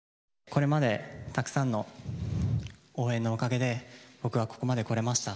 これまでたくさんの応援のおかげで、僕はここまでこれました。